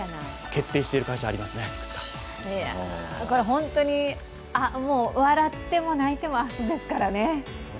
本当にもう、笑っても泣いても明日ですからね。